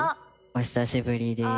お久しぶりです。